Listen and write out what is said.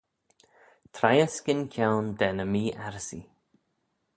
Treihys gyn-kione da ny mee-arryssee.